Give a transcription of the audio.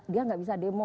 dia tidak bisa demo